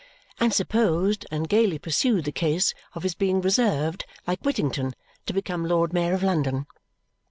and supposed and gaily pursued the case of his being reserved like Whittington to become Lord Mayor of London.